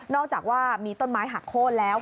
อกจากว่ามีต้นไม้หักโค้นแล้ว